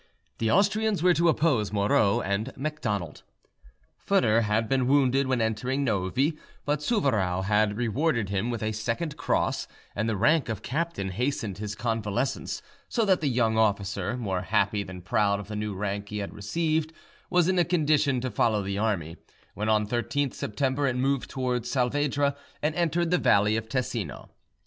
The Austrians were to oppose Moreau and Macdonald. Foedor had been wounded when entering Novi, but Souvarow had rewarded him with a second cross, and the rank of captain hastened his convalescence, so that the young officer, more happy than proud of the new rank he had received, was in a condition to follow the army, when on 13th September it moved towards Salvedra and entered the valley of Tesino.